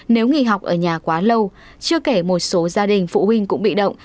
nếu nghỉ học ở nhà quá lâu chưa kể một số gia đình phụ huynh cũng bị động